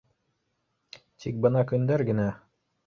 Тик бына көндәр генә